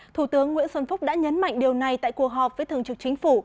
thủ tướng nguyễn xuân phúc đã nhấn mạnh điều này tại cuộc họp với thường trực chính phủ